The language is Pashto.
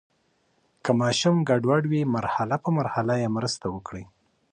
که ماشوم ګډوډ وي، مرحلې په مرحله یې مرسته وکړئ.